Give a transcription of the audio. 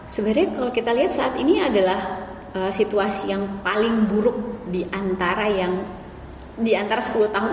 sebenarnya kalau kita lihat saat ini adalah situasi yang paling buruk diantara yang di antara sepuluh tahun